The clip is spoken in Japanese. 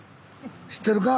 知ってるか？